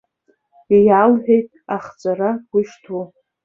Иалҳәеит ахҵәара ргәы ишҭоу.